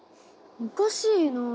おかしいな。